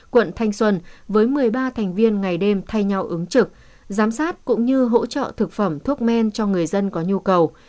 quận thanh xuân với một mươi ba thành viên ngày đêm thay nhau ứng trực giám sát cũng như hỗ trợ thực phẩm thuốc men cho người dân có nhu cầu